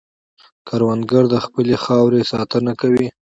کروندګر د خپلې خاورې ساتنه کوي